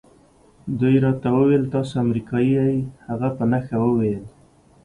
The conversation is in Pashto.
دوی راته وویل تاسي امریکایی یاست. هغه په نښه وویل.